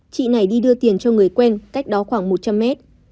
chị này đi đưa tiền cho người quen cách đó khoảng một trăm linh mét